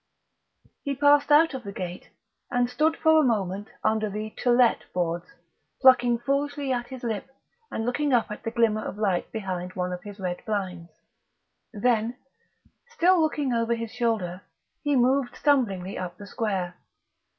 He passed out of the gate, and stood for a moment under the "To Let" boards, plucking foolishly at his lip and looking up at the glimmer of light behind one of his red blinds. Then, still looking over his shoulder, he moved stumblingly up the square.